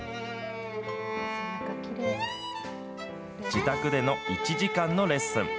自宅での１時間のレッスン。